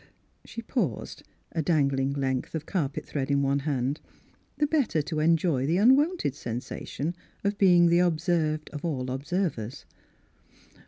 She paused, a dangling length of car pet thread in one hand, the better to enjoy the unwonted sensation of being the observed oi all observers.